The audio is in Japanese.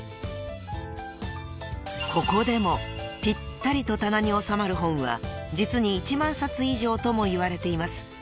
［ここでもぴったりと棚に収まる本は実に１万冊以上ともいわれています］